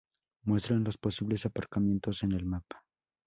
Muestran los posibles aparcamientos en el mapa.